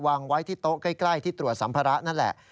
วางไว้ที่โต๊ะใกล้ที่ตรวจสัมภาระนั่นแหละ